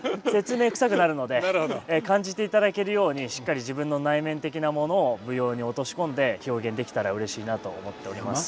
感じていただけるようにしっかり自分の内面的なものを舞踊に落とし込んで表現できたらうれしいなと思っております。